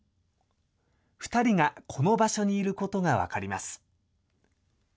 ２人がこの場所にいることが分かります。